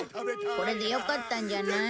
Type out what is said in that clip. これでよかったんじゃない？